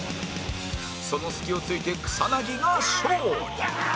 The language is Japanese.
その隙を突いて草薙が勝利